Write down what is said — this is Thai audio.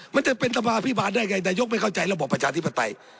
มันจะเป็นสภาพิบาลได้ไงนายกไม่เข้าใจระบบประชาธิปไตย